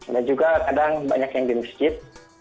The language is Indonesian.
dan juga kadang banyak yang di masjid